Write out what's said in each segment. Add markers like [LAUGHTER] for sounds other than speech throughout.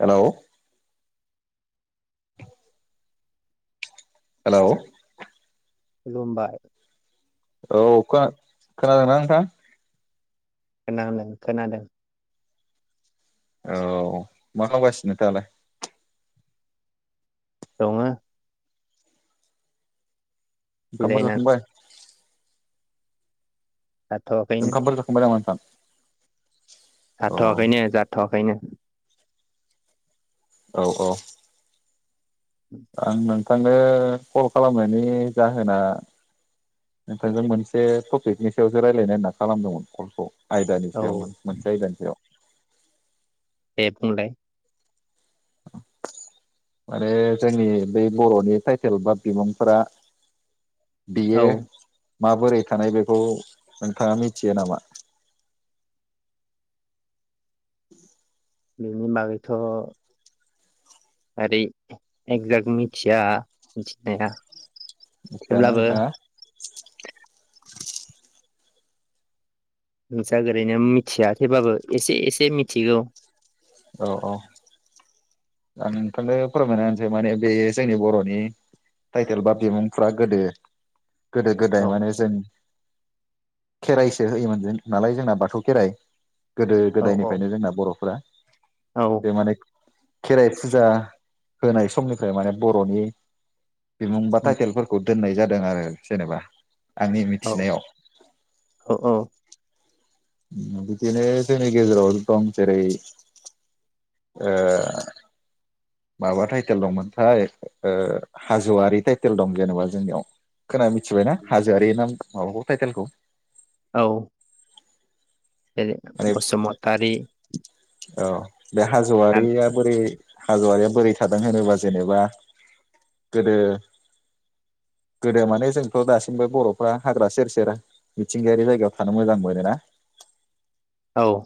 Hello hello खुलुमबाय औ खोना-खोनादोंना नोंथां? खोनादों खोनादों औ मा खामगासिनो दालाय? दङो ओंखामफोर जिरायनानै जाखांबाय? जाथ'वाखैनो ओंखामफोर जाखांबाय नामा नोंथां? औ जाथ'वाखैनो जाथ'वाखैनो औ औ आं नों थांनो कल खालामनायनि जाहोना नोंथांजों मोनसे टपिकनि सायावसो रायलायनो होनना खालामदोंमोन कलखौ आयदानि औ सायावमोन मोनसे आयदानि सायाव । दे बुंलाय । माने जोंनि बै बर'नि टाइटेल बा बिमुंफोरा बियो औ माबोरै थानाय बेखौ नोंथाङा मिथियो नामा? [INAUDIBLE] बेनि बागैथ' ओरै एकजाक्ट मिथिया मिथिनाया मिथियाना थेवब्लाबो नोंथाङा? मोजां ओरैनो मिथिया थेबाबो एसे एसे मिथिगौ । औ औ । आं नोंथांनो फोरमायना होनोसै माने बे जोंनि बर'नि टाइटेल बा बिमुंफ्रा गोदो गोदो गोदाय औ माने जों खेराइसो होयोमोन जों नालाय जोंना बाथौ खेराइ गोदो औ औ गोदायनिफ्रायनो जोंना बर'फ्रा । औ बे माने खेराइ फुजा होनाय समनिफ्राय माने बर'नि बिमुं बा उम टायटेलफोरखौ दोननाय जादों आरो जेनेबा आंनि औ मिथिनायाव । औ औ बिदिनो जोंनि गेजेराव दं जेरै ओ माबा टाइटेल दंमोनथाय ओ हाज'आरि टाइटेल दं जेनेबा जोंनियाव । खोना मिथिबायना हाजोआरि नाम माबाखौ टाइटेलखौ? औ । जरै माने बसुमतारि औ । बे हाज'वारिया बोरै हाज'वारिया बोरै थादों होनोबा जेनेबा गोदो गोदो माने जोंथ' दासिमबो बर'फ्रा हाग्रा सेर सेर मिथिंगायारि जायगायाव थानो मोजां मोनोना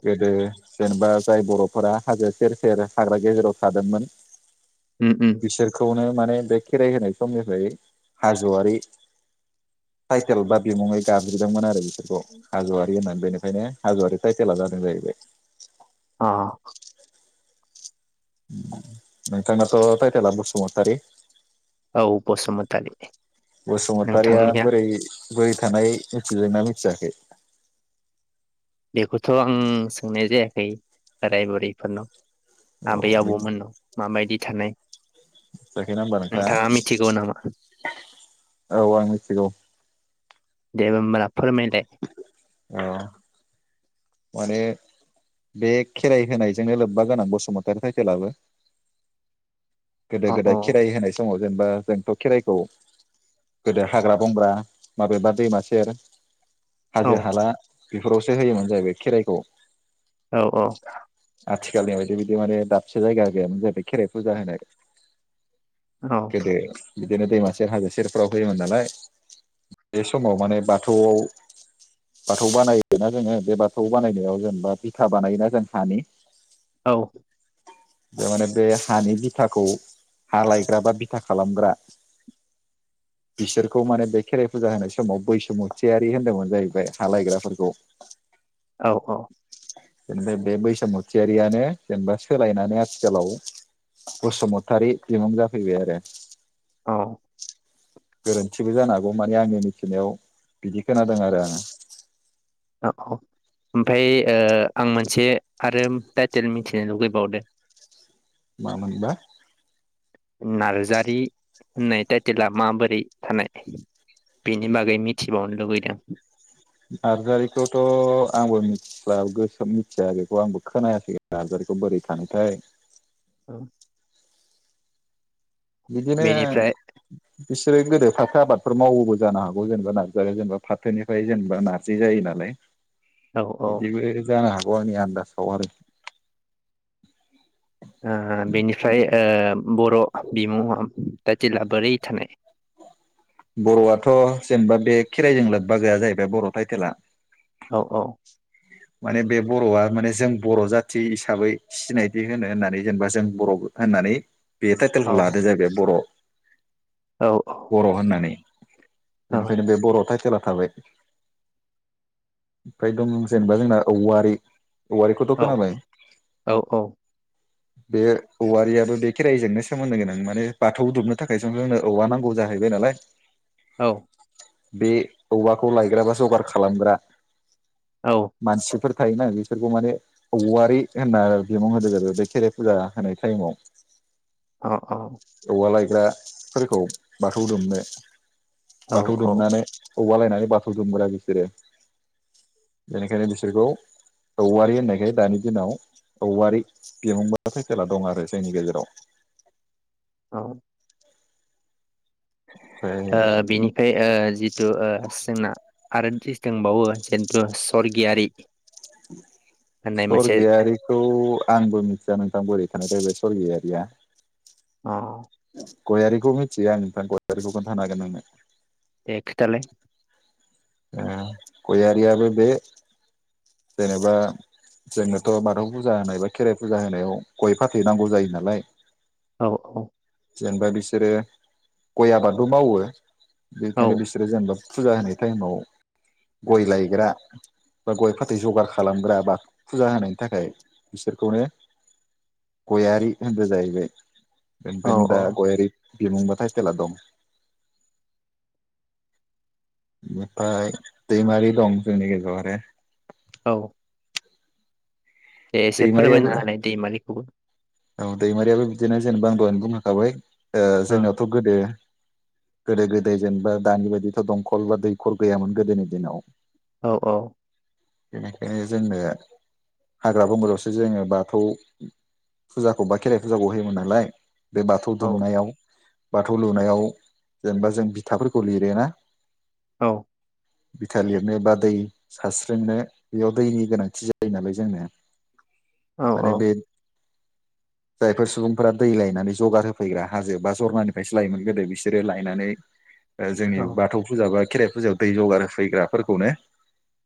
गोदो जेनेबा जाय बर'फोरा हाजो सेर सेर हाग्रा गेजेराव थादोंमोन उम उम बिसोरखौनो माने बे खेराइ होनाय समनिफ्राय हाज'वारि टाइटेल बा बिमुङै गाबज्रिदोंमोन आरो । हाज'वारि होननानै बेनिफायनो हाज'वारि टाइटेला जादों जाहैबाय आ। नोंथांनाथ' टाइटेलआ बसुमतारि । औ बसुमतारी बसुमतारिया नोंथांनिया बोरै बोरै थानाय मिथिदोंना मिथियाखै? बेखौथ' आं सोंनाय जायाखै बोराय बुरैफोरनाव । आबै औ आबौमोननाव माबायदि थानाय मोनथियाखै ना ओमबा नोंथाङा मिथिगौ नामा औ आं मिथिगौ दे ओमबा फोरमायलाय औ माने बे खेराइ होनायजोंनो लोब्बा गोनां बसुमतारी टाइटेलाबो । गोदो अ अ गोदाय खेराइ होनाय दङ जेनेबा जोंथ खेराइखौ, गोदो हाग्रा बंग्रा माबेबा दैमा सेर औ हाजो हाला बेफोरावसो होयोमोन जाहैबाय खेराइखौ। औ औ। आथिखालनि बायदि बिदि माने दाबसे जायगा गैयामोन जाहैबाय खेराइ फुजा होनाय। गोेदो बिदिनो दैमासेर हाजो सेरफ्राव होयोमोन नालाय, बे समाव माने बाथौआव बाथौ बानायोना जोङो बे बाथौ बानायनायाव जेनेबा बिथा बानायोना जों हानि। औ। बे माने बे हानि बि थाखौ हा लायग्रा बा बिथा खालामग्रा, बिसोरखौ माने बे खेराइ फुजा होनाय समाव बैसुमुथियारि होन्दोंमोन जाहैबाय हा लायग्राफोरखौ। औ औ। जेनबा बे बैसामुथियारियानो जेनेबा सोलायनानै आथिखालाव। बसुमतारि बिमुं जाफैबाय आरो। औ। गोरोन्थिबो जानो हागौ, माने आंनि मिथिनायाव बिदि खोनादों आरो आङो। औ औ ओमफ्राय ओ आं मोनसे आरो टाइटेल मिथिनो लुगैबावदो। मामोनबा? नार्जारि होननाय टाइटेला माबोरै थानाय बेनि बागै मिथिबावनो लुबैदों। नार्जारिखौथ आंबो मिथिला गोसो मिथिया बेखौ आंबो खोनायाखै नार्जारिखौ बोरै थांनाय थाय। औ। बिदिनो। बेनिफ्राय बिसोरो गोदो फाथो आबादफोर मावबो जानो हागौ, जेनेबा नार्जारियाव जेनेबा फाथोनिफ्राय जेनेबा नारजि जायो नालाय। औ ओ बिदिबो जानो हागो आंनि आन- दासाव आरो। बेनिफ्राय ओ बर बिमुं टाइटेला बोरै थानाय? बर'आथ जेनेबा बे खेराइजों लोब्बा गैया जाहैबाय बर टाइटेला । औ औ । माने बे बर'आ माने जों बर जाथि हिसाबै सिनायथि होनो होननानै जेनेबा जों बर'बो ओननानै बे औ टाइटेलखौ लादो जाहैदो बर' । औ बर' होननानै । औ बेनिफ्रायनो बे बर' टाइटेला थाबाय इनफ्राय द जेनेबा जोंना औवारि । औवारिखौथ' औ खोनाबाय औ । बे औवारियाबो बे खेराइजोंनो सोमोन्दो गोनां माने बाथौ दुमनो थाखायसो जोंनो औवा नांगौ जाहैबाय नालाय । औ । बे औवाखौ लायग्रा बा जगार खालामग्रा । औ । मानसिफोर थायोना बेफोरखौ माने औवारि होनना बिमुं होदों जाहैबाय बे खेराइ फुजा होनाय थाइमाव । अ औ । ग्राफोरखौ बाथौ दुमनो औ बाथौ दुमनानै औवा लायना बाथौ दुमग्रा बिसोरो । बेनिखायनो बिसोरखौ औवारि होननायखाय दानि दिनाव औवारि बिमुं एबा थायथेला दं आरो जोंनि गेजेराव । औ । ओमफ्राय ओ बिनिफ्राय ओ जिथु ओ जोंना । आरो दिस दंबावो जन्थु सरगियारि । सर्गियारिखौ आंबो मिथिया नोंथां बोरै थानायथाय बे सरगियारिया । अ । गयारिखौ मिथियो आं नोंथां गयारिखौ खोन्थानो हागोन नोंनो । दे खोथालाय । ओ गयारियाबो बे जेनेबा जोंनोथ' बाथौ फुजा होनाय बा खेराइ फुजा होनायाव गय फाथैनांगौ जायो नालाय औ औ । जेनबा बिसोरो गय आबादबो मावो । औ बेनिखायनो बिसोरो जेनबा फुजा होनाय टाइमाव गय लायग्रा बा गय फा दै जगार खालामग्रा बाथौ फुजा होनायनि थाखाय बिसोरखौनो गयारि होनदों जाहैबाय । औ इनिफायनो दा औ गयारि । बिमुं बा थायटेला दं ओमफ्राय दैमारि दं जोंनि गेजेराव आरो औ दे एसे दैमारियाबो फोरमायनो होनाय दैमारिखौबो औ दैमारियाबो बिदिनो जेनेबा आं दहायनो बुंंखांखाबाय ओ औ जोंनावथ' गोदो गोदो-गोदाय जेनेबा दानि बायदिथ' दंखल बा दैखर गैयामोन गोदोनि दिनाव औ औ बेनिखायनो जोंनो हाग्रा बंग्रायावसो जोङो बाथौ फुजाखौ बा खेराइ फुजाखौ होयोमोन नालाय बे बाथौ औ दुमनायाव बाथौ दुमनायाव जेनेबा जों बिथाफोरखौ लिरो ना औ बिथा लिरनो बा दै सारस्रिंनो बेयाव दैनि गोनांथि जायो नालाय जोंनो औ माने औ बे जायफोर सुबुंफोरा दै लायनानै जगार होफैग्रा हाजो बा जरनानिफ्रायसो लायोमोन गोदो बिसोरो लायनानै औ जोंनि बाथौ फुजाबा खेराइ फुजायाव दै जगार होफैग्राफोरखौनो।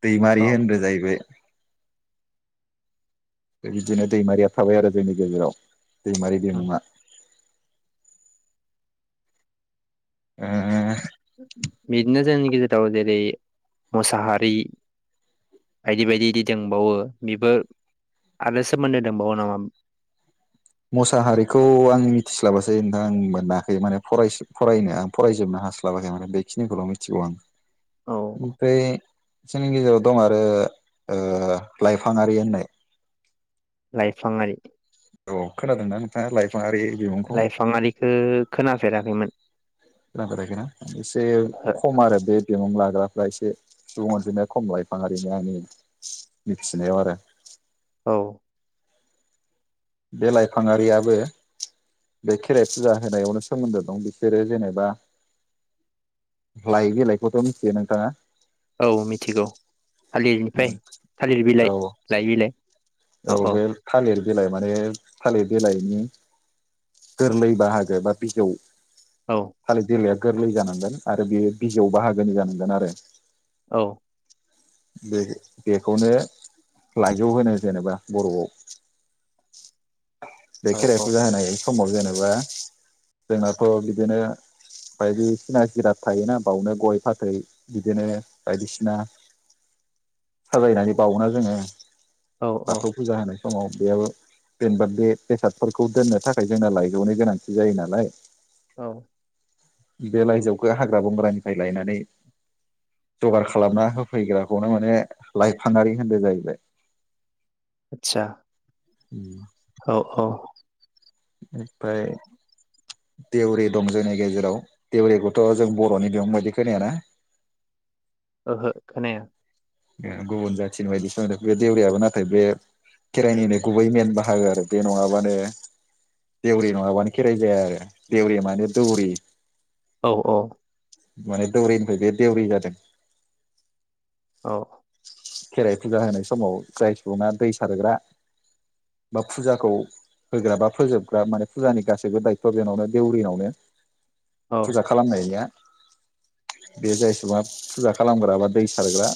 दैमारि औ होनग्रा जाहैबाय। बिदिनो दैमारिया थाबाय आरो। जोंनि गेजेराव। दैमारि बिमुंआ। उम। बिदिनो जोंनि गेजेराव जेरै मुसाहारि बायदि बायदि बिदि दंबावो बेबो आरो सोमोन्दो दंबावो नामा। मोसाहारिखौ आं मिथिस्लाबासै नोंथां आं मोनाखै माने फरायनो आं फरायजोबनो हास्लाबाखै माने बेखिनिखौल' मिथिगौ आं। औ ओमफ्राय। जोंनि गेजेराव दं आरो लाइफांआरि होननाय। लाइफांङारि। औ खोनादोंना नोंथाङा लाइफां ङारि बिमुंखौ लाइफाङारिखौ खोनाफेराखैमोन खोनाफेराखै ना इसे खम आरो बे बिमुङा एसे सुबुं अनजिमा खम लाफांआरिनि आंनि मिथिनायाव आरो। औ बे लाइफाङारियाबो बे खेराइ फुजा होनायावनो सोमोन्दो दं बिसोरो जेनेबा लाइ बिलाइखौथ' मिथियो नोंथाङा। औ मिथिगौ। थालिरनिफ्राय थालिर बिलाइ औ लाय बिलाइ। औ बे थालिर बिलाइ माने थालिर बिलाइनि गोरलै बाहागो बा बिजौ। औ थालिर बिलाय। गोरलै जानांगोन आरो बेयो बिजियाव बाहागोनि जानांगोन आरो। औ। बे बेखौनो लाइजौ होनो जेनेबा बर'आव। बे औ खेराय औ फुजा होनाय समाव जेनेबा जोंनाथ' बिदिनो बायदि सिना जिराद थायोना बावनो गय फाथै बिदिनो बायदिसिना साजायनानै बावोना जोङो। औ औ बाथौ फुजा होनो। समाव बेयाव जेनेबा बेे बेसादफोरखौ दोननो थाखाय जोंना लायजौनि गोनांथि जायो नालाय औ। बे लाइजौखौ हाग्रा बंग्रानिफ्राय लायनानै जगार खालामना होफैग्राखौनो माने लाइफाङारि होनो जाहैबाय। आतसा। उम। औ औ। ओमफ्राय देउरि दं जोंनि गेजेराव देउरिखौथ' जों बर'नि बादि खोनायाना? ओहो खोनाया। ओ गुबुन जाथिनि बायदि होदों बे देवरियाबो नाथाय बे खेराइनिनो गुबै मेन बाहागो आरो बे नङा बानो देवरि नङा बानो खेराइ जाया आरो देवरिया माने दौरि औ औ। माने दौरिनिफ्राय बे देवरि जादों। औ खेराइ फुजा होनाय समाव जाय सुबुङा दै सारग्रा बा फुजाखौ होग्रा बा फोजोबग्रा माने फुजानि गासैबो दायथ' बेनावनो देउरि नावनो। औ फुजा खालाम नाया बे जाय सुबुङा फुजा खालामग्रा बा दै सारग्रा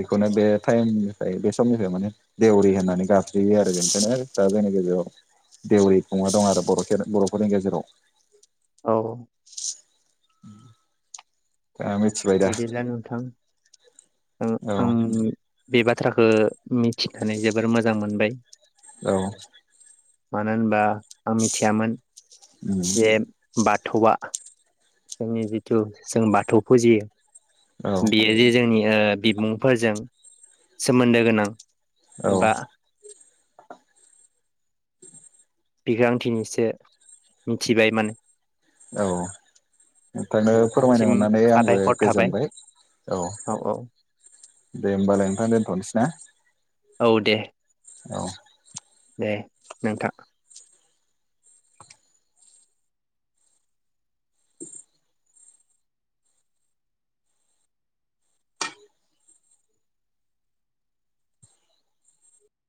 बेखौनो बे टाइमनिफ्राय बे समनिफ्राय माने देउरि होननानै गाबज्रियो आरो बेनिखायनो दा जोंनि गेजेराव देवरि खुङा दं आरो बर बर'फोरनि गेजेराव। औ उम दा मिथिबाय दा? ओ औ आं बे बाथ्राखौ मिथिनानै जोबोर मोजां मोनबाय। औ मानो होनबा आं मिथियामोन उम जे बाथौआ जोंनि जिथु जों बाथौ फुजियो औ बेयो जे जोंनि ओ बिमुं फोरजों सोमोन्दो गोनां औ एबा बिखौ आं दिनिसो मिथिबाय माने औ नोंथनो फोरमायनो नोंथांनिसिम मोननानै आंबो साबायखर थाबाय गोजोनबाय औ। दे होमबालाय नोंथां दोनथ'नोसै ना? औ दे। औ। दे नोंथां।